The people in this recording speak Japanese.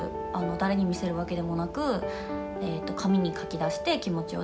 誰に見せるわけでもなく、紙に書き出して、気持ちを。